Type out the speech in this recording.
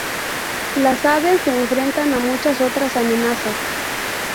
Las aves se enfrentan a muchas otras amenazas.